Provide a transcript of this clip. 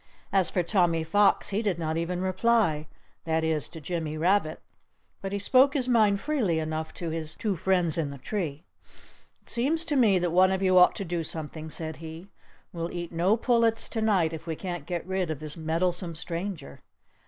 As for Tommy Fox, he did not even reply—that is, to Jimmy Rabbit. But he spoke his mind freely enough to his two friends in the tree. "It seems to me one of you ought to do something," said he. "We'll eat no pullets to night if we can't get rid of this meddlesome stranger."